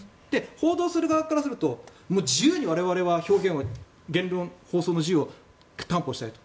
報道する側からすると自由に我々は言論、放送の自由を担保したいと。